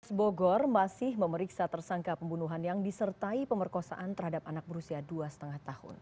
polres bogor masih memeriksa tersangka pembunuhan yang disertai pemerkosaan terhadap anak berusia dua lima tahun